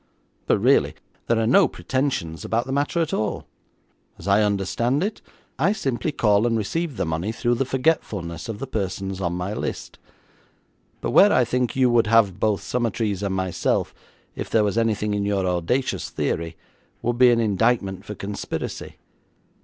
But, really, there are no pretensions about the matter at all. As I understand it, I simply call and receive the money through the forgetfulness of the persons on my list, but where I think you would have both Summertrees and myself, if there was anything in your audacious theory, would be an indictment for conspiracy.